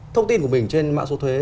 thông tin của mình trên mạng số thuế